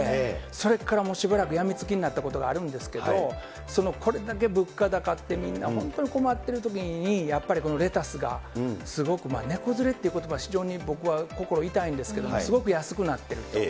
それからもうしばらく病みつきになったことがあるんですけど、これだけ物価高ってみんな本当に困ってるときに、やっぱりこのレタスがすごく値崩れっていうことば、非常に僕は心痛いんですけど、すごく安くなっていると。